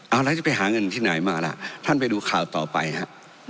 เอาแล้วจะไปหาเงินที่ไหนมาล่ะท่านไปดูข่าวต่อไปฮะ